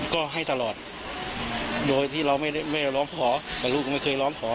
ก็ให้ตลอดโดยที่เราไม่ร้องขอแต่ลูกไม่เคยร้องขอ